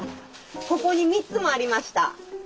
ここに３つもありました。